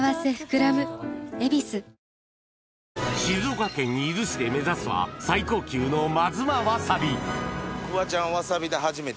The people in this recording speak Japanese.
静岡県伊豆市で目指すは最高級の真妻